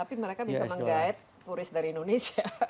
tapi mereka bisa menggait turis dari indonesia